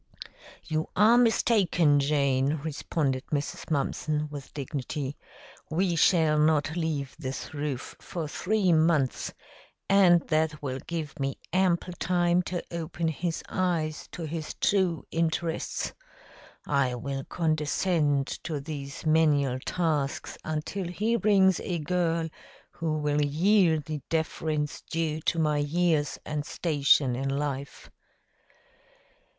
"You are mistaken, Jane," responded Mrs. Mumpson with dignity. "We shall not leave this roof for three months, and that will give me ample time to open his eyes to his true interests. I will condescend to these menial tasks until he brings a girl who will yield the deference due to my years and station in life."